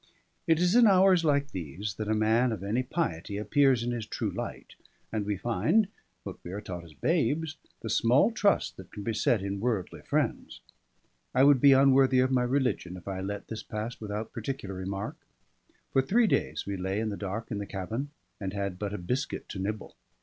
It is in hours like these that a man of any piety appears in his true light, and we find (what we are taught as babes) the small trust that can be set in worldly friends: I would be unworthy of my religion if I let this pass without particular remark. For three days we lay in the dark in the cabin, and had but a biscuit to nibble.